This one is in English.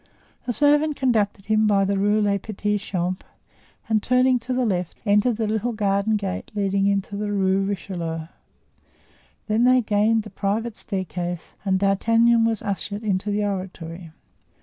The servant conducted him by the Rue des Petits Champs and turning to the left entered the little garden gate leading into the Rue Richelieu; then they gained the private staircase and D'Artagnan was ushered into the oratory.